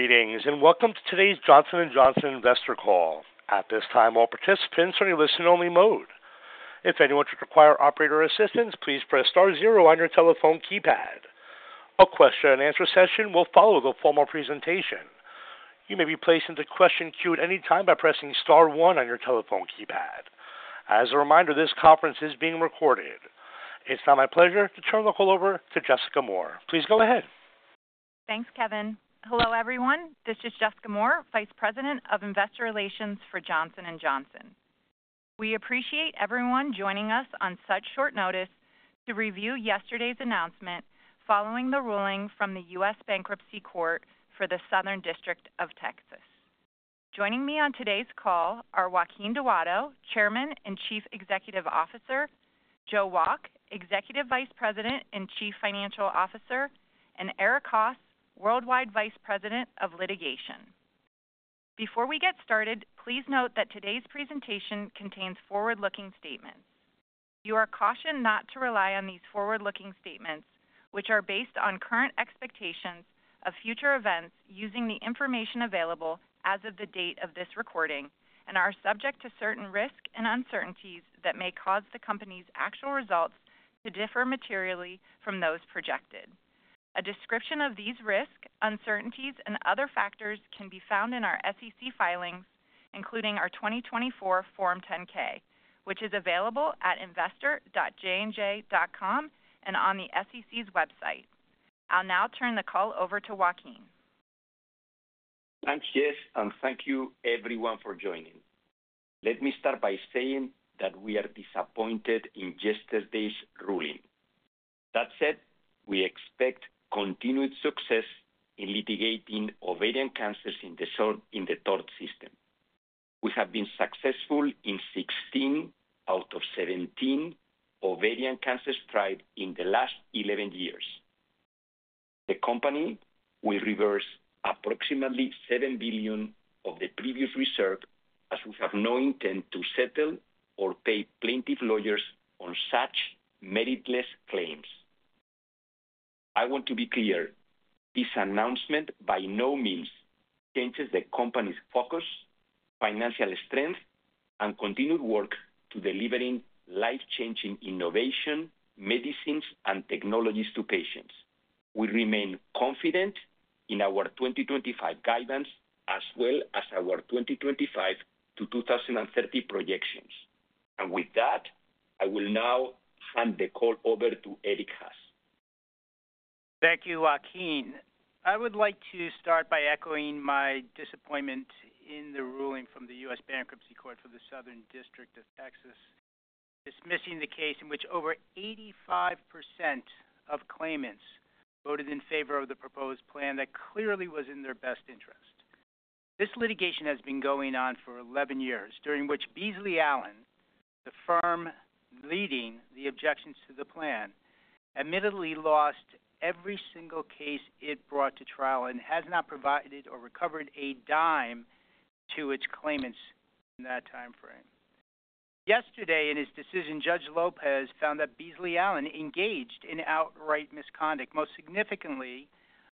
Greetings and welcome to today's Johnson & Johnson Investor Call. At this time, all participants are in listen-only mode. If anyone should require operator assistance, please press star zero on your telephone keypad. A question-and-answer session will follow the formal presentation. You may be placed into question queue at any time by pressing star one on your telephone keypad. As a reminder, this conference is being recorded. It's now my pleasure to turn the call over to Jessica Moore. Please go ahead. Thanks, Kevin. Hello, everyone. This is Jessica Moore, Vice President of Investor Relations for Johnson & Johnson. We appreciate everyone joining us on such short notice to review yesterday's announcement following the ruling from the U.S. Bankruptcy Court for the Southern District of Texas. Joining me on today's call are Joaquin Duato, Chairman and Chief Executive Officer, Joe Wolk, Executive Vice President and Chief Financial Officer, and Eric Haas, Worldwide Vice President of Litigation. Before we get started, please note that today's presentation contains forward-looking statements. You are cautioned not to rely on these forward-looking statements, which are based on current expectations of future events using the information available as of the date of this recording and are subject to certain risks and uncertainties that may cause the company's actual results to differ materially from those projected. A description of these risks, uncertainties, and other factors can be found in our SEC filings, including our 2024 Form 10-K, which is available at investor.jnj.com and on the SEC's website. I'll now turn the call over to Joaquin. Thanks, Jess, and thank you, everyone, for joining. Let me start by saying that we are disappointed in yesterday's ruling. That said, we expect continued success in litigating ovarian cancers in the tort system. We have been successful in 16 out of 17 ovarian cancer strikes in the last 11 years. The company will reverse approximately $7 billion of the previous reserve, as we have no intent to settle or pay plaintiff lawyers on such meritless claims. I want to be clear: this announcement by no means changes the company's focus, financial strength, and continued work to delivering life-changing innovation, medicines, and technologies to patients. We remain confident in our 2025 guidance as well as our 2025 to 2030 projections. With that, I will now hand the call over to Erik Haas. Thank you, Joaquin. I would like to start by echoing my disappointment in the ruling from the U.S. Bankruptcy Court for the Southern District of Texas, dismissing the case in which over 85% of claimants voted in favor of the proposed plan that clearly was in their best interest. This litigation has been going on for 11 years, during which Beasley Allen, the firm leading the objections to the plan, admittedly lost every single case it brought to trial and has not provided or recovered a dime to its claimants in that time frame. Yesterday, in his decision, Judge Lopez found that Beasley Allen engaged in outright misconduct, most significantly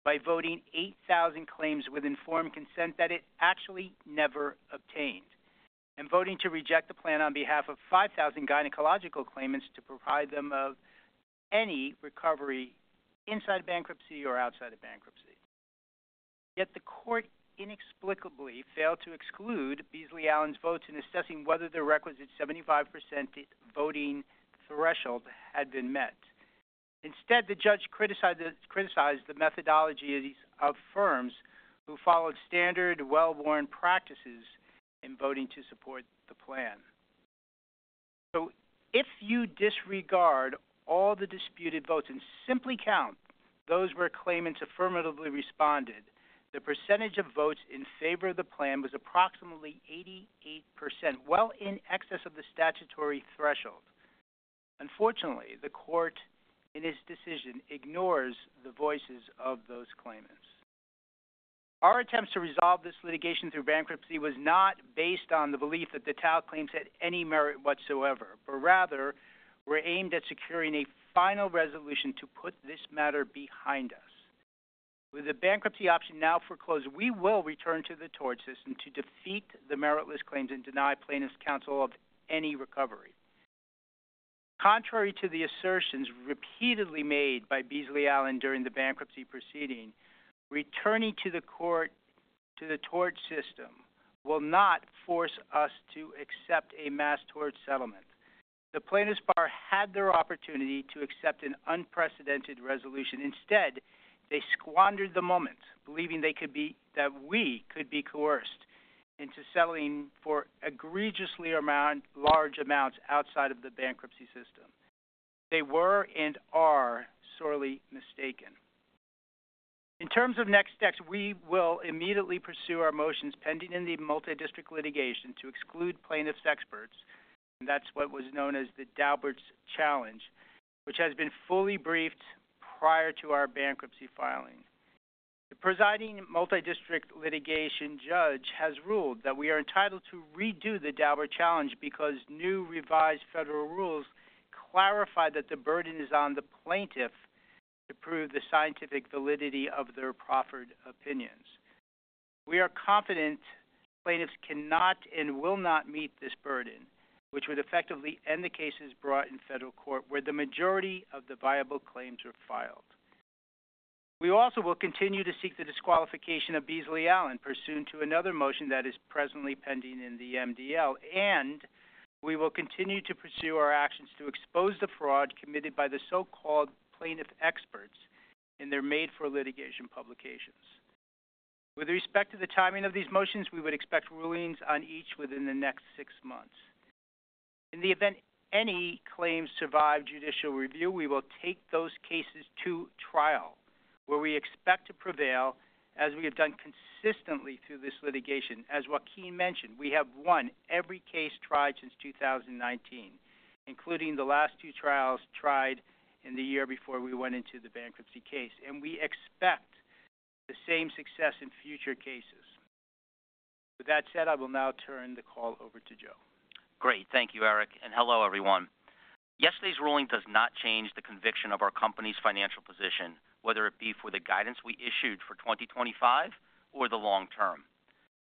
by voting 8,000 claims with informed consent that it actually never obtained, and voting to reject the plan on behalf of 5,000 gynecological claimants to provide them with any recovery inside bankruptcy or outside of bankruptcy. Yet the court inexplicably failed to exclude Beasley Allen's votes in assessing whether the requisite 75% voting threshold had been met. Instead, the judge criticized the methodologies of firms who followed standard, well-worn practices in voting to support the plan. If you disregard all the disputed votes and simply count those where claimants affirmatively responded, the percentage of votes in favor of the plan was approximately 88%, well in excess of the statutory threshold. Unfortunately, the court, in its decision, ignores the voices of those claimants. Our attempts to resolve this litigation through bankruptcy were not based on the belief that the talc claims had any merit whatsoever, but rather were aimed at securing a final resolution to put this matter behind us. With the bankruptcy option now foreclosed, we will return to the tort system to defeat the meritless claims and deny plaintiffs counsel of any recovery. Contrary to the assertions repeatedly made by Beasley Allen during the bankruptcy proceeding, returning to the court to the tort system will not force us to accept a mass tort settlement. The plaintiffs bar had their opportunity to accept an unprecedented resolution. Instead, they squandered the moment, believing that we could be coerced into settling for egregiously large amounts outside of the bankruptcy system. They were and are sorely mistaken. In terms of next steps, we will immediately pursue our motions pending in the multi-district litigation to exclude plaintiffs experts, and that's what was known as the Daubert challenge, which has been fully briefed prior to our bankruptcy filing. The presiding multi-district litigation judge has ruled that we are entitled to redo the Daubert challenge because new revised federal rules clarify that the burden is on the plaintiff to prove the scientific validity of their proffered opinions. We are confident plaintiffs cannot and will not meet this burden, which would effectively end the cases brought in federal court where the majority of the viable claims are filed. We also will continue to seek the disqualification of Beasley Allen, pursuant to another motion that is presently pending in the MDL, and we will continue to pursue our actions to expose the fraud committed by the so-called plaintiff experts in their made-for-litigation publications. With respect to the timing of these motions, we would expect rulings on each within the next six months. In the event any claims survive judicial review, we will take those cases to trial, where we expect to prevail, as we have done consistently through this litigation. As Joaquin mentioned, we have won every case tried since 2019, including the last two trials tried in the year before we went into the bankruptcy case, and we expect the same success in future cases. With that said, I will now turn the call over to Joe. Great. Thank you, Eric. Hello, everyone. Yesterday's ruling does not change the conviction of our company's financial position, whether it be for the guidance we issued for 2025 or the long term.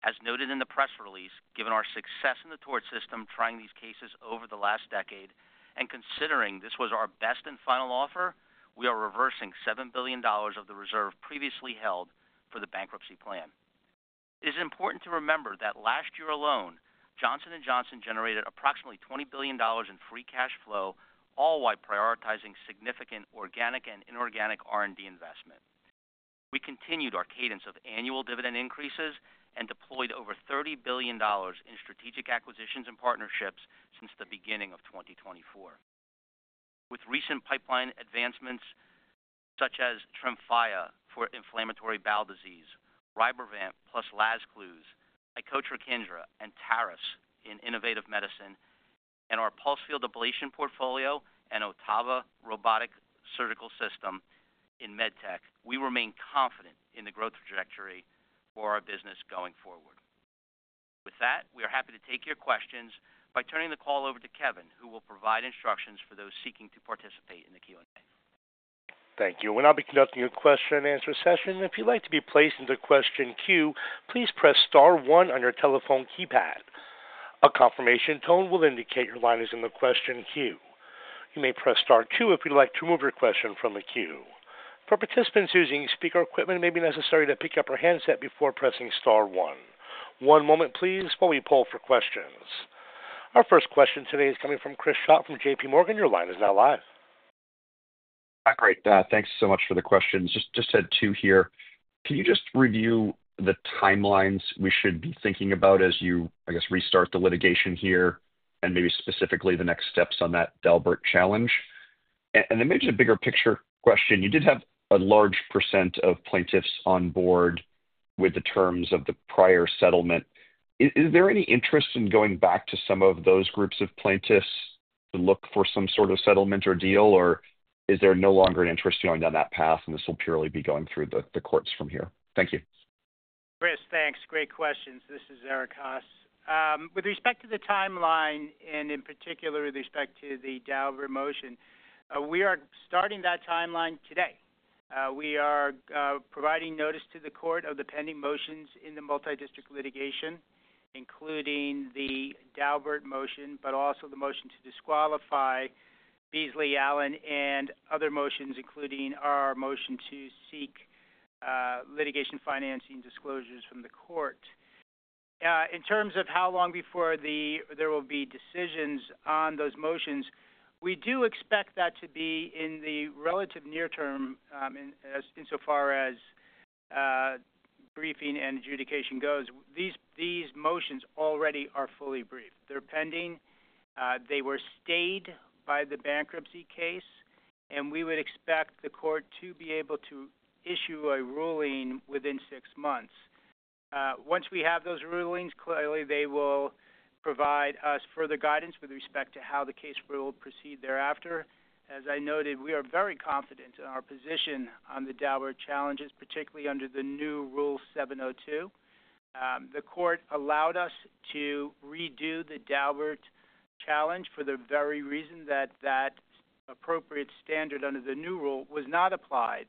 As noted in the press release, given our success in the tort system trying these cases over the last decade and considering this was our best and final offer, we are reversing $7 billion of the reserve previously held for the bankruptcy plan. It is important to remember that last year alone, Johnson & Johnson generated approximately $20 billion in free cash flow, all while prioritizing significant organic and inorganic R&D investment. We continued our cadence of annual dividend increases and deployed over $30 billion in strategic acquisitions and partnerships since the beginning of 2024. With recent pipeline advancements such as Tremfya for inflammatory bowel disease, Rybrevant plus Lazcluze, Icotrokinra, and Taris in Innovative Medicine, and our Pulsed Field Ablation portfolio and OTTAVA robotic surgical system in MedTech, we remain confident in the growth trajectory for our business going forward. With that, we are happy to take your questions by turning the call over to Kevin, who will provide instructions for those seeking to participate in the Q&A. Thank you. We'll now be conducting a question-and-answer session. If you'd like to be placed into the question queue, please press star one on your telephone keypad. A confirmation tone will indicate your line is in the question queue. You may press star two if you'd like to remove your question from the queue. For participants using speaker equipment, it may be necessary to pick up your handset before pressing star one. One moment, please, while we pull for questions. Our first question today is coming from Chris Schott from JPMorgan. Your line is now live. Hi. Thanks so much for the questions. Just had two here. Can you just review the timelines we should be thinking about as you, I guess, restart the litigation here and maybe specifically the next steps on that Daubert challenge? Then maybe just a bigger picture question. You did have a large percent of plaintiffs on board with the terms of the prior settlement. Is there any interest in going back to some of those groups of plaintiffs to look for some sort of settlement or deal, or is there no longer an interest in going down that path, and this will purely be going through the courts from here? Thank you. Chris, thanks. Great questions. This is Eric Haas. With respect to the timeline, and in particular with respect to the Daubert motion, we are starting that timeline today. We are providing notice to the court of the pending motions in the multi-district litigation, including the Daubert motion, but also the motion to disqualify Beasley Allen and other motions, including our motion to seek litigation financing disclosures from the court. In terms of how long before there will be decisions on those motions, we do expect that to be in the relative near term insofar as briefing and adjudication goes. These motions already are fully briefed. They're pending. They were stayed by the bankruptcy case, and we would expect the court to be able to issue a ruling within six months. Once we have those rulings, clearly, they will provide us further guidance with respect to how the case will proceed thereafter. As I noted, we are very confident in our position on the Daubert challenges, particularly under the new Rule 702. The court allowed us to redo the Daubert challenge for the very reason that that appropriate standard under the new rule was not applied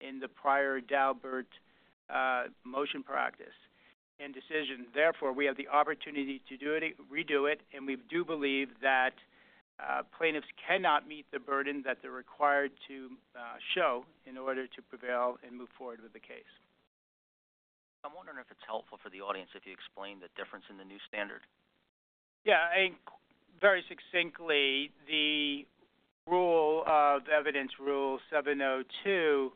in the prior Daubert motion practice and decision. Therefore, we have the opportunity to redo it, and we do believe that plaintiffs cannot meet the burden that they're required to show in order to prevail and move forward with the case. I'm wondering if it's helpful for the audience if you explain the difference in the new standard. Yeah. I think very succinctly, the rule of evidence Rule 702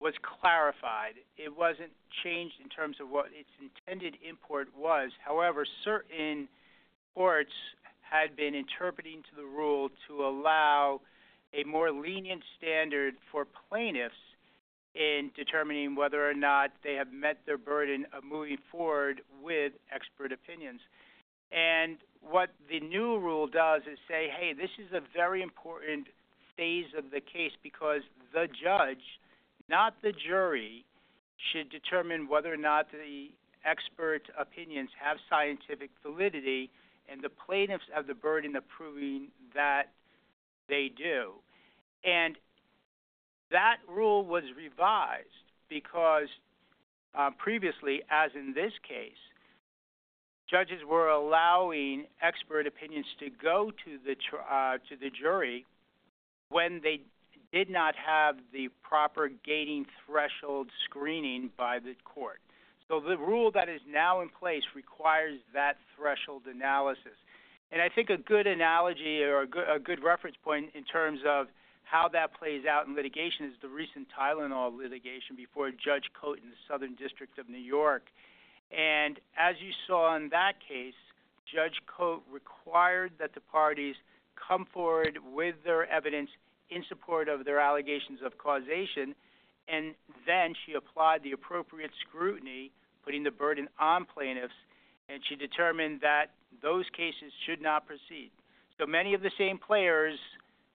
was clarified. It wasn't changed in terms of what its intended import was. However, certain courts had been interpreting the rule to allow a more lenient standard for plaintiffs in determining whether or not they have met their burden of moving forward with expert opinions. What the new rule does is say, "Hey, this is a very important phase of the case because the judge, not the jury, should determine whether or not the expert opinions have scientific validity, and the plaintiffs have the burden of proving that they do." That rule was revised because previously, as in this case, judges were allowing expert opinions to go to the jury when they did not have the proper gating threshold screening by the court. The rule that is now in place requires that threshold analysis. I think a good analogy or a good reference point in terms of how that plays out in litigation is the recent Tylenol litigation before Judge Cote in the Southern District of New York. As you saw in that case, Judge Cote required that the parties come forward with their evidence in support of their allegations of causation, and then she applied the appropriate scrutiny, putting the burden on plaintiffs, and she determined that those cases should not proceed. Many of the same players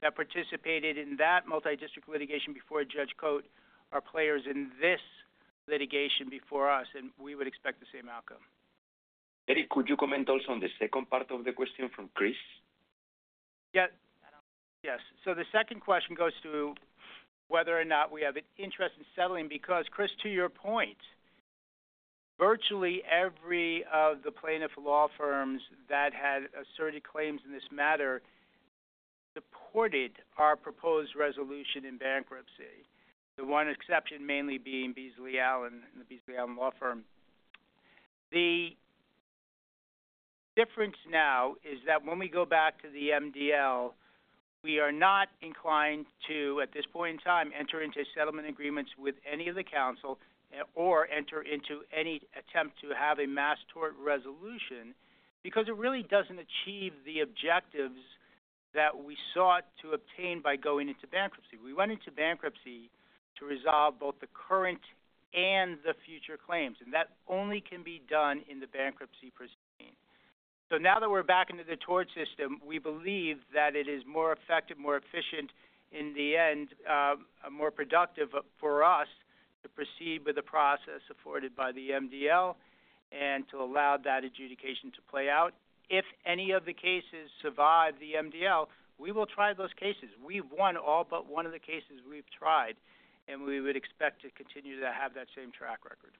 that participated in that multi-district litigation before Judge Cote are players in this litigation before us, and we would expect the same outcome. Eric, could you comment also on the second part of the question from Chris? Yes. The second question goes to whether or not we have an interest in settling because, Chris, to your point, virtually every one of the plaintiff law firms that had asserted claims in this matter supported our proposed resolution in bankruptcy, the one exception mainly being Beasley Allen and the Beasley Allen law firm. The difference now is that when we go back to the MDL, we are not inclined to, at this point in time, enter into settlement agreements with any of the counsel or enter into any attempt to have a mass tort resolution because it really does not achieve the objectives that we sought to obtain by going into bankruptcy. We went into bankruptcy to resolve both the current and the future claims, and that only can be done in the bankruptcy proceeding. Now that we're back into the tort system, we believe that it is more effective, more efficient, in the end, more productive for us to proceed with the process afforded by the MDL and to allow that adjudication to play out. If any of the cases survive the MDL, we will try those cases. We've won all but one of the cases we've tried, and we would expect to continue to have that same track record.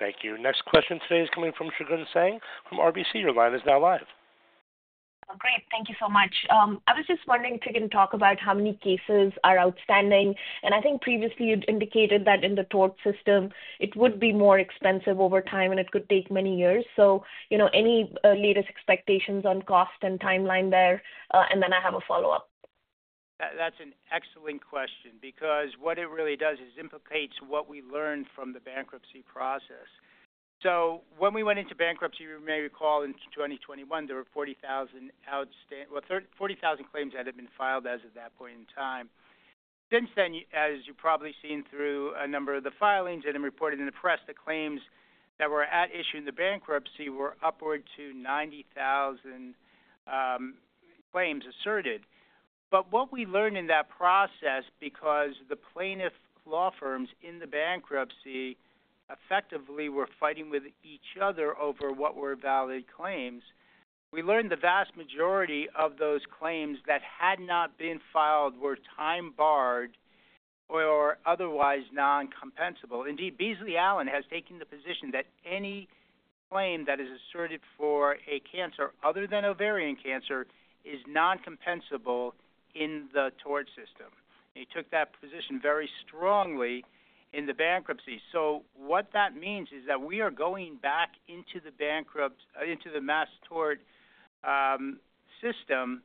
Thank you. Next question today is coming from Shagun Singh from RBC. Your line is now live. Great. Thank you so much. I was just wondering if you can talk about how many cases are outstanding. I think previously you'd indicated that in the tort system, it would be more expensive over time, and it could take many years. Any latest expectations on cost and timeline there? I have a follow-up. That's an excellent question because what it really does is implicate what we learned from the bankruptcy process. When we went into bankruptcy, you may recall in 2021, there were 40,000 outstanding, well, 40,000 claims that had been filed as of that point in time. Since then, as you've probably seen through a number of the filings and reported in the press, the claims that were at issue in the bankruptcy were upward to 90,000 claims asserted. What we learned in that process, because the plaintiff law firms in the bankruptcy effectively were fighting with each other over what were valid claims, we learned the vast majority of those claims that had not been filed were time-barred or otherwise non-compensable. Indeed, Beasley Allen has taken the position that any claim that is asserted for a cancer other than ovarian cancer is non-compensable in the tort system. He took that position very strongly in the bankruptcy. What that means is that we are going back into the mass tort system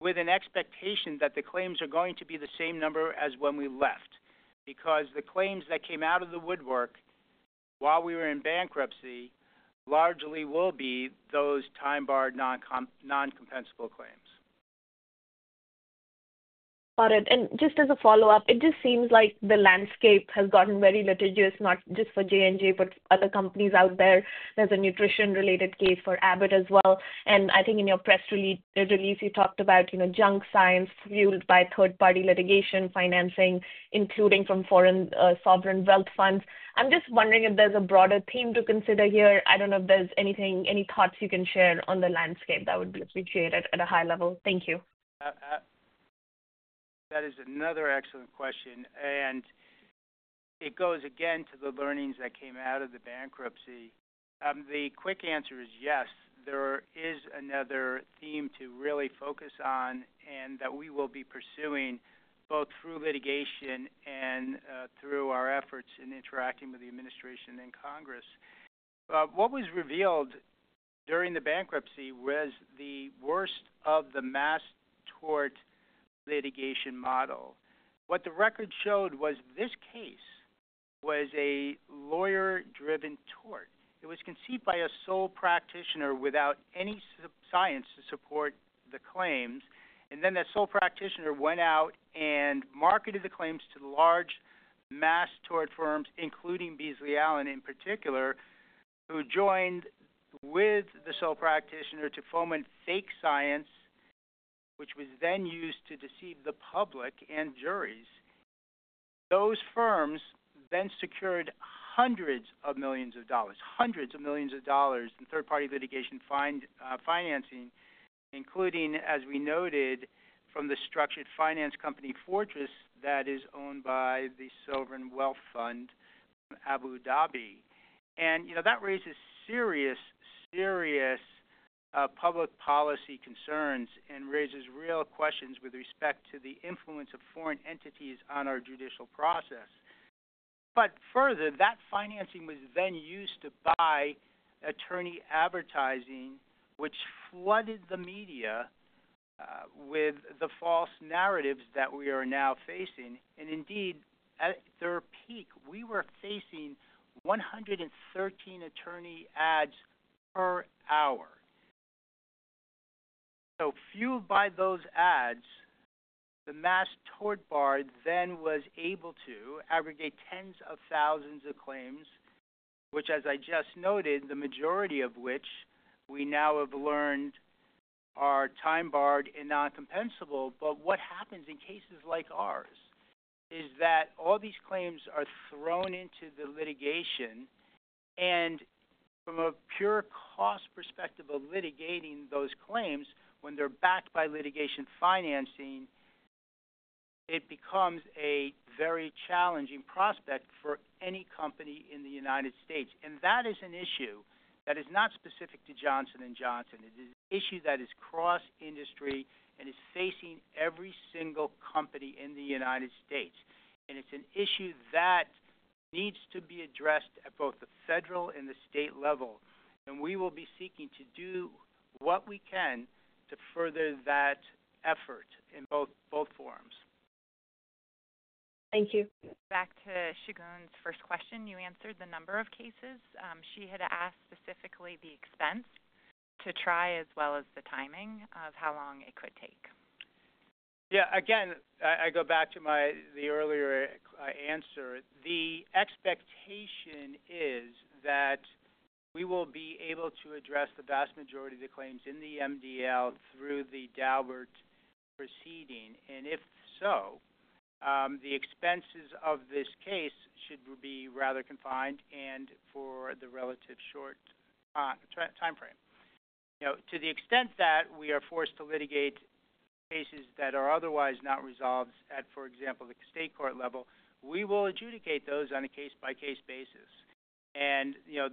with an expectation that the claims are going to be the same number as when we left because the claims that came out of the woodwork while we were in bankruptcy largely will be those time-barred, non-compensable claims. Got it. Just as a follow-up, it just seems like the landscape has gotten very litigious, not just for J&J, but other companies out there. There is a nutrition-related case for Abbott as well. I think in your press release, you talked about junk science fueled by third-party litigation financing, including from foreign sovereign wealth funds. I'm just wondering if there is a broader theme to consider here. I do not know if there is anything, any thoughts you can share on the landscape. That would be appreciated at a high level. Thank you. That is another excellent question. It goes again to the learnings that came out of the bankruptcy. The quick answer is yes. There is another theme to really focus on and that we will be pursuing both through litigation and through our efforts in interacting with the administration and Congress. What was revealed during the bankruptcy was the worst of the mass tort litigation model. What the record showed was this case was a lawyer-driven tort. It was conceived by a sole practitioner without any science to support the claims. That sole practitioner went out and marketed the claims to large mass tort firms, including Beasley Allen in particular, who joined with the sole practitioner to foment fake science, which was then used to deceive the public and juries. Those firms then secured hundreds of millions of dollars, hundreds of millions of dollars in third-party litigation financing, including, as we noted, from the structured finance company Fortress that is owned by the sovereign wealth fund from Abu Dhabi. That raises serious, serious public policy concerns and raises real questions with respect to the influence of foreign entities on our judicial process. Further, that financing was then used to buy attorney advertising, which flooded the media with the false narratives that we are now facing. Indeed, at their peak, we were facing 113 attorney ads per hour. Fueled by those ads, the mass tort bar then was able to aggregate tens of thousands of claims, which, as I just noted, the majority of which we now have learned are time-barred and non-compensable. What happens in cases like ours is that all these claims are thrown into the litigation. From a pure cost perspective of litigating those claims, when they're backed by litigation financing, it becomes a very challenging prospect for any company in the United States. That is an issue that is not specific to Johnson & Johnson. It is an issue that is cross-industry and is facing every single company in the United States. It is an issue that needs to be addressed at both the federal and the state level. We will be seeking to do what we can to further that effort in both forums. Thank you. Back to Shugan's first question. You answered the number of cases. She had asked specifically the expense to try as well as the timing of how long it could take. Yeah. Again, I go back to the earlier answer. The expectation is that we will be able to address the vast majority of the claims in the MDL through the Daubert proceeding. If so, the expenses of this case should be rather confined and for the relatively short timeframe. To the extent that we are forced to litigate cases that are otherwise not resolved at, for example, the state court level, we will adjudicate those on a case-by-case basis.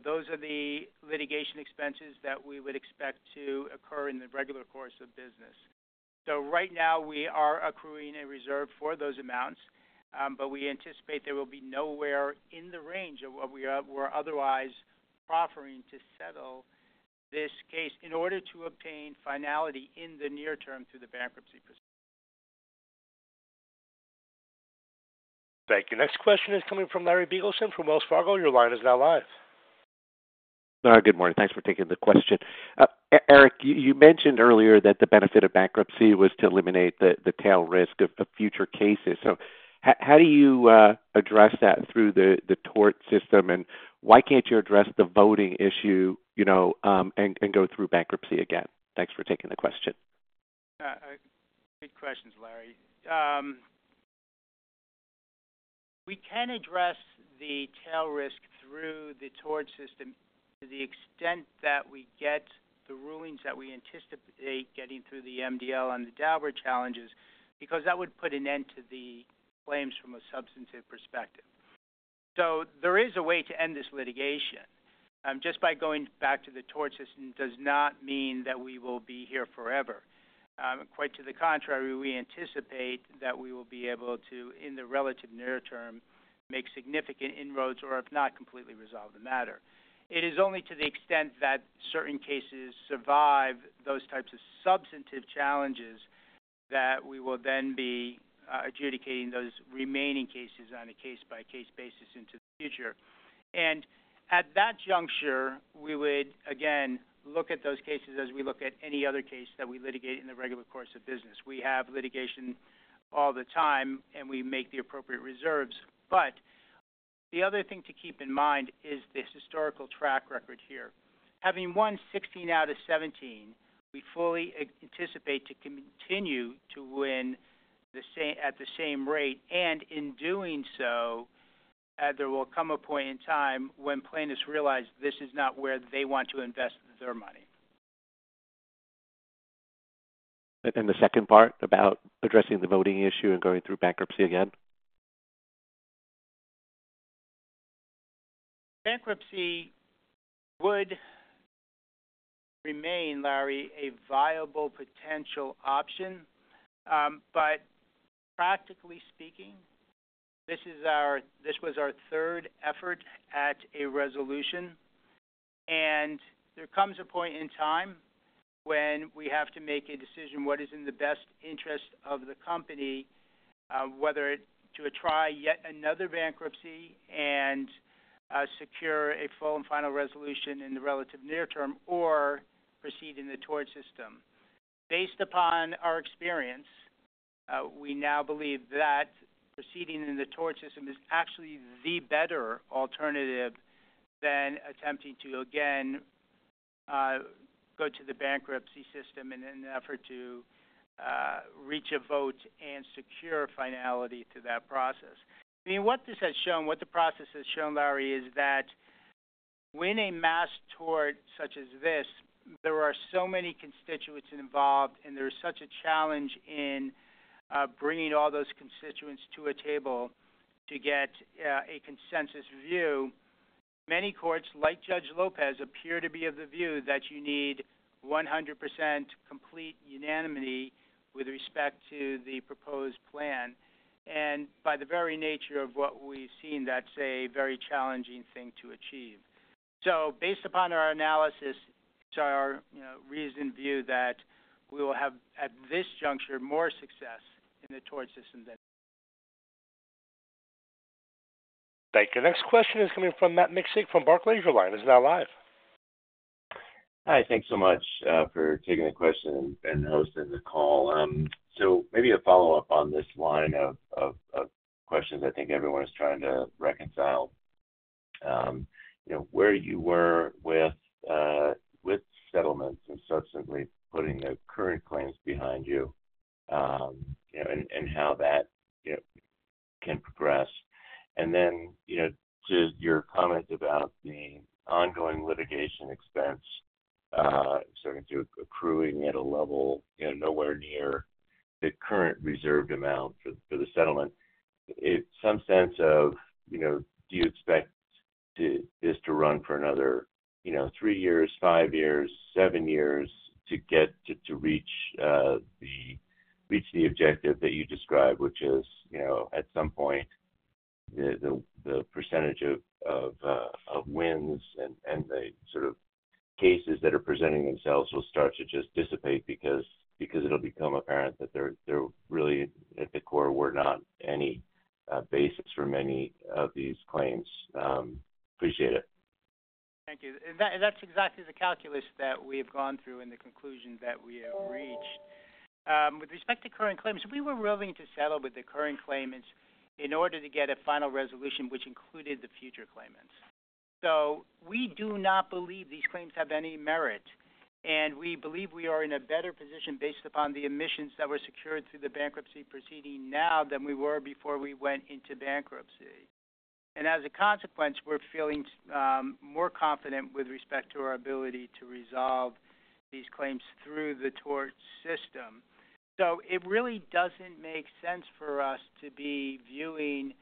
Those are the litigation expenses that we would expect to occur in the regular course of business. Right now, we are accruing a reserve for those amounts, but we anticipate there will be nowhere in the range of what we were otherwise proffering to settle this case in order to obtain finality in the near term through the bankruptcy proceeding. Thank you. Next question is coming from Larry Biegelsen from Wells Fargo. Your line is now live. Good morning. Thanks for taking the question. Eric, you mentioned earlier that the benefit of bankruptcy was to eliminate the tail risk of future cases. How do you address that through the tort system? Why can't you address the voting issue and go through bankruptcy again? Thanks for taking the question. Good questions, Larry. We can address the tail risk through the tort system to the extent that we get the rulings that we anticipate getting through the MDL on the Daubert challenges because that would put an end to the claims from a substantive perspective. There is a way to end this litigation. Just by going back to the tort system does not mean that we will be here forever. Quite to the contrary, we anticipate that we will be able to, in the relative near term, make significant inroads or, if not, completely resolve the matter. It is only to the extent that certain cases survive those types of substantive challenges that we will then be adjudicating those remaining cases on a case-by-case basis into the future. At that juncture, we would, again, look at those cases as we look at any other case that we litigate in the regular course of business. We have litigation all the time, and we make the appropriate reserves. The other thing to keep in mind is the historical track record here. Having won 16 out of 17, we fully anticipate to continue to win at the same rate. In doing so, there will come a point in time when plaintiffs realize this is not where they want to invest their money. The second part about addressing the voting issue and going through bankruptcy again? Bankruptcy would remain, Larry, a viable potential option. Practically speaking, this was our third effort at a resolution. There comes a point in time when we have to make a decision what is in the best interest of the company, whether to try yet another bankruptcy and secure a full and final resolution in the relative near term or proceed in the tort system. Based upon our experience, we now believe that proceeding in the tort system is actually the better alternative than attempting to, again, go to the bankruptcy system in an effort to reach a vote and secure finality to that process. I mean, what this has shown, what the process has shown, Larry, is that when a mass tort such as this, there are so many constituents involved, and there is such a challenge in bringing all those constituents to a table to get a consensus view, many courts, like Judge Lopez, appear to be of the view that you need 100% complete unanimity with respect to the proposed plan. By the very nature of what we've seen, that's a very challenging thing to achieve. Based upon our analysis, it's our reasoned view that we will have, at this juncture, more success in the tort system than ever. Thank you. Next question is coming from Matt Miksic from Barclays. Your line is now live. Hi. Thanks so much for taking the question and hosting the call. Maybe a follow-up on this line of questions I think everyone is trying to reconcile. Where you were with settlements and subsequently putting the current claims As a consequence, we are feeling more confident with respect to our ability to resolve these claims through the tort system. It really does not make sense for us to be viewing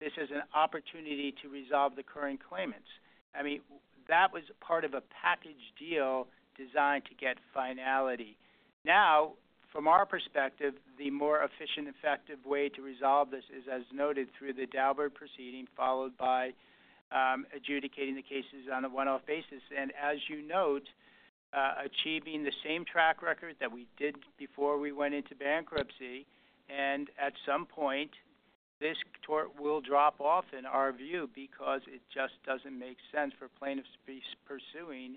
this as an opportunity to resolve the current claimants. I mean, that was part of a package deal designed to get finality. Now, from our perspective, the more efficient, effective way to resolve this is, as noted, through the Daubert proceeding followed by adjudicating the cases on a one-off basis. As you note, achieving the same track record that we did before we went into bankruptcy. At some point, this tort system will drop off in our view because it just doesn't make sense for plaintiffs to be pursuing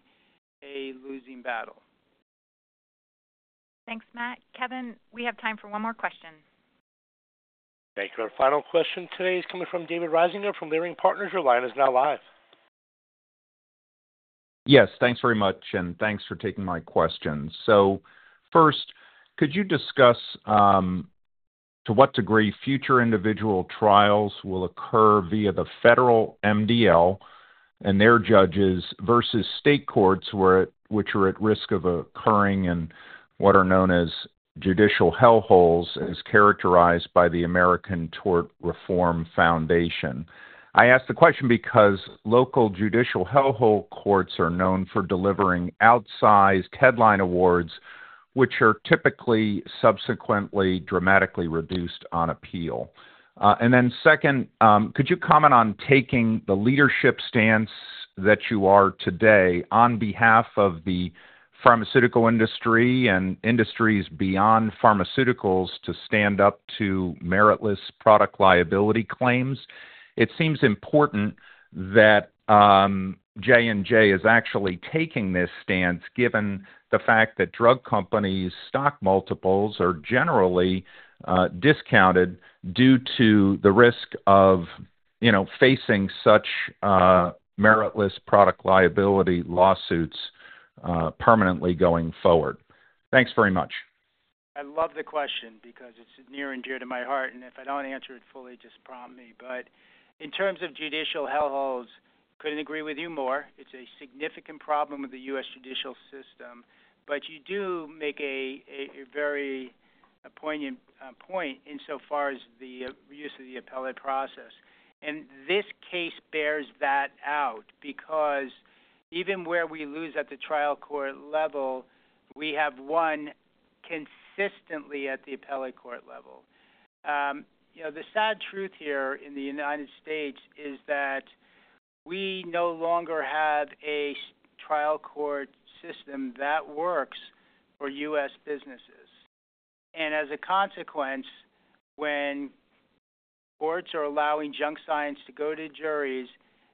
a losing battle. Thanks, Matt. Kevin, we have time for one more question. Thank you. Our final question today is coming from David Risinger from Leerink Partners. Your line is now live. Yes. Thanks very much. Thanks for taking my questions. First, could you discuss to what degree future individual trials will occur via the federal MDL and their judges versus state courts which are at risk of occurring in what are known as judicial hellholes as characterized by the American Tort Reform Foundation? I ask the question because local judicial hellhole courts are known for delivering outsized headline awards which are typically subsequently dramatically reduced on appeal. Second, could you comment on taking the leadership stance that you are today on behalf of the pharmaceutical industry and industries beyond pharmaceuticals to stand up to meritless product liability claims? It seems important that J&J is actually taking this stance given the fact that drug companies' stock multiples are generally discounted due to the risk of facing such meritless product liability lawsuits permanently going forward. Thanks very much. I love the question because it's near and dear to my heart. If I don't answer it fully, just prompt me. In terms of judicial hellholes, couldn't agree with you more. It's a significant problem with the U.S. judicial system. You do make a very poignant point insofar as the use of the appellate process. This case bears that out because even where we lose at the trial court level, we have won consistently at the appellate court level. The sad truth here in the United States is that we no longer have a trial court system that works for U.S. businesses. As a consequence, when courts are allowing junk science to go to juries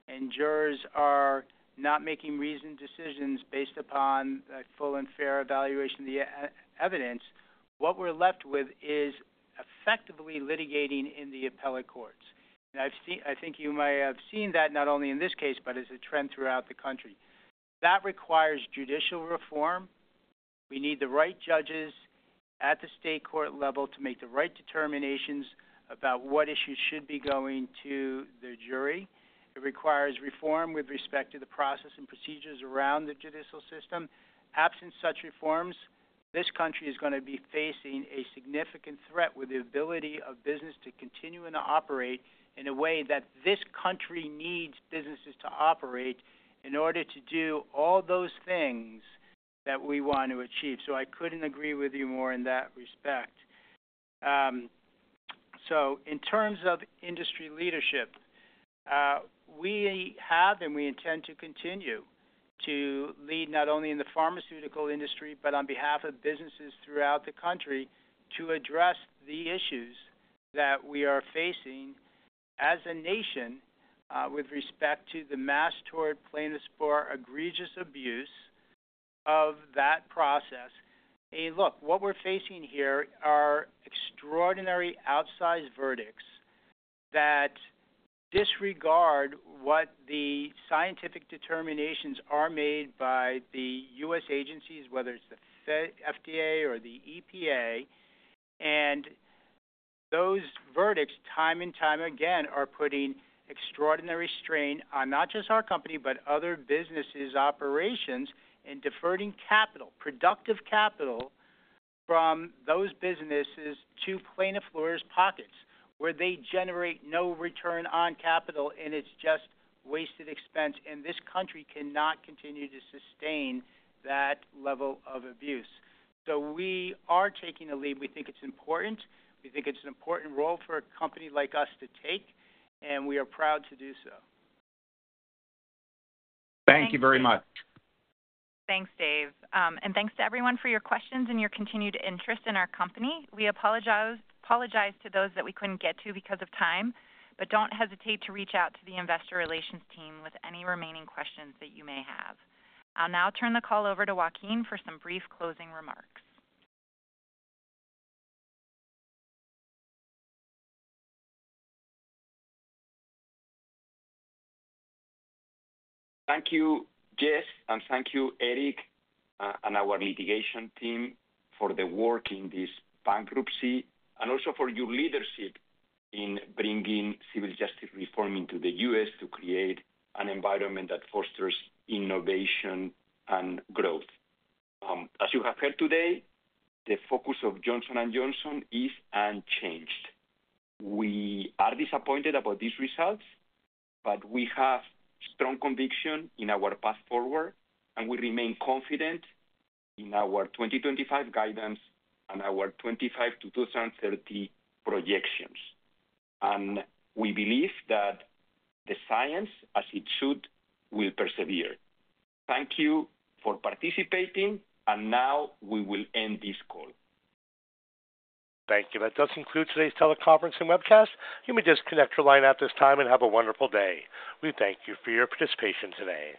and jurors are not making reasoned decisions based upon a full and fair evaluation of the evidence, what we're left with is effectively litigating in the appellate courts. I think you may have seen that not only in this case, but as a trend throughout the country. That requires judicial reform. We need the right judges at the state court level to make the right determinations about what issues should be going to the jury. It requires reform with respect to the process and procedures around the judicial system. Absent such reforms, this country is going to be facing a significant threat with the ability of business to continue and to operate in a way that this country needs businesses to operate in order to do all those things that we want to achieve. I could not agree with you more in that respect. In terms of industry leadership, we have and we intend to continue to lead not only in the pharmaceutical industry, but on behalf of businesses throughout the country to address the issues that we are facing as a nation with respect to the mass tort plaintiffs for egregious abuse of that process. Look, what we're facing here are extraordinary outsized verdicts that disregard what the scientific determinations are made by the U.S. agencies, whether it's the FDA or the EPA. Those verdicts, time and time again, are putting extraordinary strain on not just our company, but other businesses' operations and diverting capital, productive capital from those businesses to plaintiff lawyers' pockets where they generate no return on capital, and it's just wasted expense. This country cannot continue to sustain that level of abuse. We are taking the lead. We think it's important. We think it is an important role for a company like us to take. We are proud to do so. Thank you very much. Thanks, Dave. Thanks to everyone for your questions and your continued interest in our company. We apologize to those that we could not get to because of time, but do not hesitate to reach out to the investor relations team with any remaining questions that you may have. I will now turn the call over to Joaquin for some brief closing remarks. Thank you, Jess. Thank you, Eric, and our litigation team for the work in this bankruptcy and also for your leadership in bringing civil justice reform into the U.S. to create an environment that fosters innovation and growth. As you have heard today, the focus of Johnson & Johnson is unchanged. We are disappointed about these results, but we have strong conviction in our path forward, and we remain confident in our 2025 guidance and our 2025 to 2030 projections. We believe that the science, as it should, will persevere. Thank you for participating. We will end this call. Thank you. That does conclude today's teleconference and webcast. You may disconnect your line at this time and have a wonderful day. We thank you for your participation today.